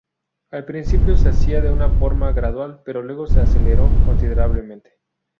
Al principio se hacía de una forma gradual pero luego se aceleró considerablemente.